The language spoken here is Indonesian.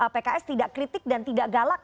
pks tidak kritik dan tidak galak